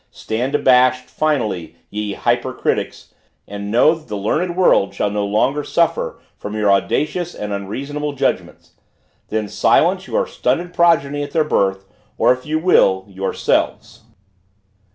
Stand abashed, finally, ye hyper critics! and know that the learned world shall no longer suffer from your audacious and unreasonable judgments; then silence your stunted progeny at their birth, or if you will, yourselves!